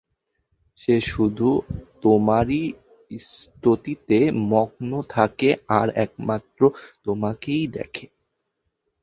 সে শুধু তোমারই স্তুতিতে মগ্ন থাকে, আর একমাত্র তোমাকেই দেখে।